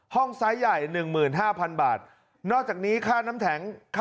ซ้ายใหญ่๑๕๐๐๐บาทนอกจากนี้ค่าน้ำแข็งค่า